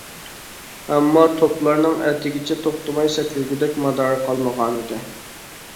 ئەمما توپلارنىڭ ئەتىگىچە توختىماي سەكرىگۈدەك مادارى قالمىغانىدى.